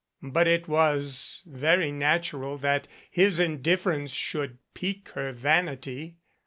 But it was very natural that his indifference should pique her vanity.